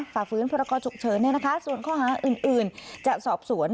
ฝ่าฟื้นพรกรฉุกเฉินส่วนข้อหาอื่นจะสอบสวน